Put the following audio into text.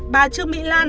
bà trương mỹ lan